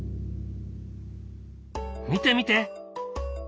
見て見て。